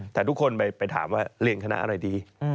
แต่ทุกคนไปถามว่าเรียนคณะอะไรดี